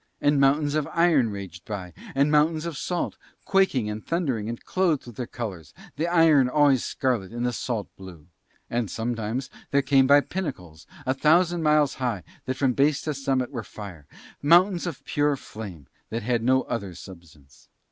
And mountains of iron raged by and mountains of salt, quaking and thundering and clothed with their colours, the iron always scarlet and the salt blue. And sometimes there came by pinnacles a thousand miles high that from base to summit were fire, mountains of pure flame that had no other substance.